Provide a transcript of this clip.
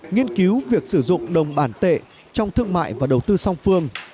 nghiên cứu việc sử dụng đồng bản tệ trong thương mại và đầu tư song phương